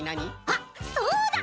あっそうだ！